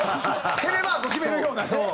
テレマーク決めるようなね。